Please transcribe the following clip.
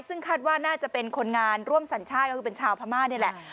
ซึ่งคาดว่าน่าจะเป็นคนงานร่วมสัญชาติก็คือเป็นชาวพม่านี่แหละ